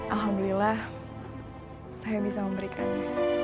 alhamdulillah saya bisa memberikannya